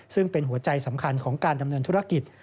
ซึ่งเป็นหัวใจสำคัญของการดำเนินธุรกิจ